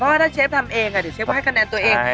เพราะว่าถ้าเชฟทำเองเดี๋ยวเชฟก็ให้คะแนนตัวเอง